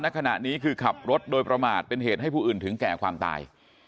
ขณะนี้คือขับรถโดยประมาทเป็นเหตุให้ผู้อื่นถึงแก่ความตาย